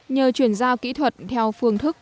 nhờ chuyển giao kỹ thuật theo phương thức